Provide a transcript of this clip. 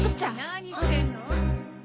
何してんの！？